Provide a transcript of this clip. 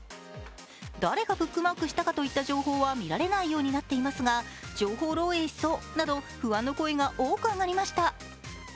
誰がブックマークしたかといった情報は見られないようになっていますが情報漏えいしそうなど不安の声が多く上がりました。